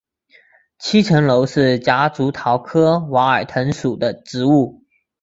七层楼是夹竹桃科娃儿藤属的植物。